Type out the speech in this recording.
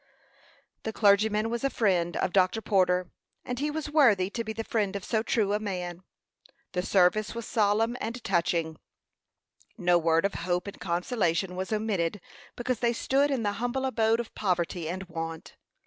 The clergyman was a friend of Dr. Porter, and he was worthy to be the friend of so true a man. The service was solemn and touching; no word of hope and consolation was omitted because they stood in the humble abode of poverty and want.